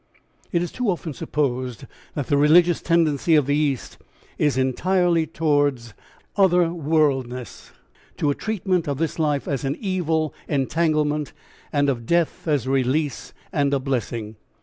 It is too often supposed that the religious tendency of the East is entirely towards other worldness, to a treatment of this life as an evil entanglement and of death as a release and a blessing.